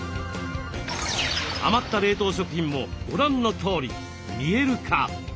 余った冷凍食品もご覧のとおり見える化。